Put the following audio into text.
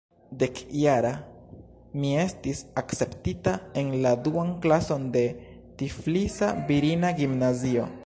Dekjara mi estis akceptita en la duan klason de Tiflisa virina gimnazio.